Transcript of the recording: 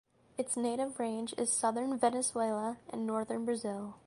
Its native range is southern Venezuela and northern Brazil.